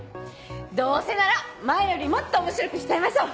どうせなら前よりもっと面白くしちゃいましょう！